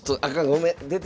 ごめん。